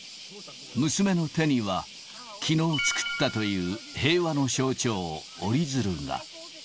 娘の手には、きのう作ったという、平和の象徴、折り鶴が。